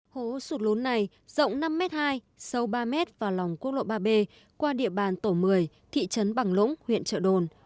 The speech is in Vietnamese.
hố sụt lún này rộng năm m hai sâu ba m vào lòng quốc lộ ba b qua địa bàn tổ một mươi thị trấn bằng lũng huyện trợ đồn